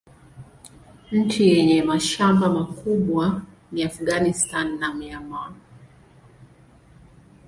Nchi yenye mashamba makubwa ni Afghanistan na Myanmar.